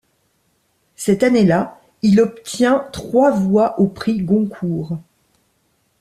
Cette année-là, il obtient trois voix au prix Goncourt.